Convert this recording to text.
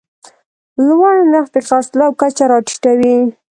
لوړ نرخ د خرڅلاو کچه راټیټوي.